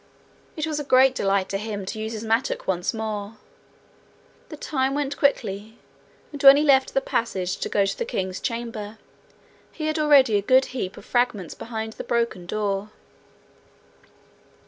It was a great delight to him to use his mattock once more. The time went quickly, and when he left the passage to go to the king's chamber, he had already a good heap of fragments behind the broken door.